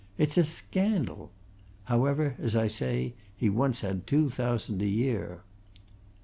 It's a scandal! However, as I say, he once had two thousand a year."